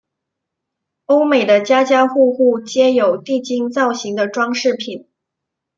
欧美的家家户户皆有地精造型的装饰品。